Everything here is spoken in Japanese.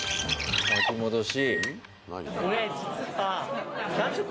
巻き戻し。